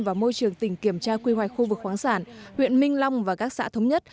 và môi trường tỉnh kiểm tra quy hoạch khu vực khoáng sản huyện minh long và các xã thống nhất